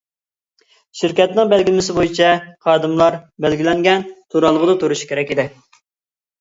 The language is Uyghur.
شىركەتنىڭ بەلگىلىمىسى بويىچە خادىملار بەلگىلەنگەن تۇرالغۇدا تۇرۇشى كېرەك ئىدى.